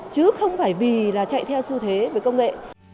chứ không phải vì là chạy theo xu thế với công nghệ